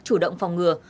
chủ động phòng ngừa